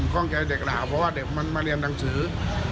ข้องใจเด็กแล้วเพราะว่าเด็กมันมาเรียนหนังสือ